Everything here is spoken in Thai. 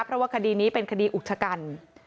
เพราะว่าคดีนี้เป็นคดีอุกชกัน